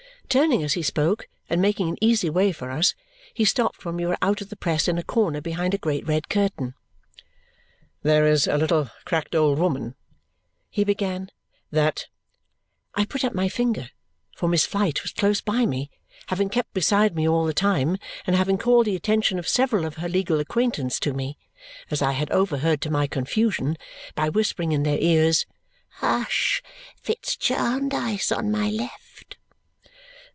Turning as he spoke and making an easy way for us, he stopped when we were out of the press in a corner behind a great red curtain. "There's a little cracked old woman," he began, "that " I put up my finger, for Miss Flite was close by me, having kept beside me all the time and having called the attention of several of her legal acquaintance to me (as I had overheard to my confusion) by whispering in their ears, "Hush! Fitz Jarndyce on my left!"